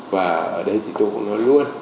và ở đây tôi cũng nói luôn